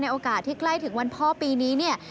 ในโอกาสที่ใกล้ถึงวันพ่อปีนี้